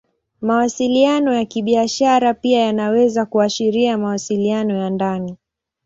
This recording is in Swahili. Mawasiliano ya Kibiashara pia yanaweza kuashiria mawasiliano ya ndani.